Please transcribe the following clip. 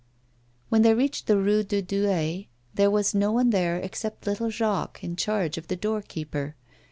When they reached the Rue de Douai there was no one there except little Jacques, in charge of the doorkeeper.